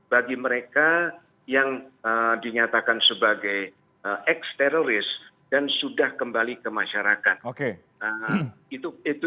bagi mereka yang dinyatakan sebagai ex teroris dan sudah kembali ke masyarakat